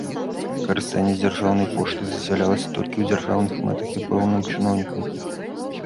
Карыстанне дзяржаўнай поштай дазвалялася толькі ў дзяржаўных мэтах і пэўным чыноўнікам.